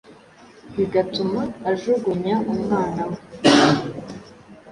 bigatuma ajugunya umwana we,